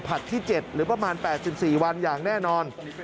ที่๗หรือประมาณ๘๔วันอย่างแน่นอน